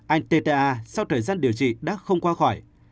anh tda sau thời gian điều trị đã không qua khỏi